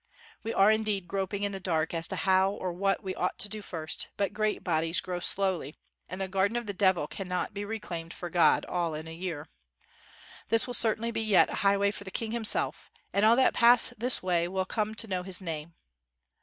We are indeed groping in the dark as to how or what we ought to do first, but great bodies grow slowly, and the gar 68 JUNGLE ROADS AND OX CARTS den of the devil cannot be reclaimed for God all in a year. This will certainly be yet a highway for the King Himself, and all that pass this way will come to know his name.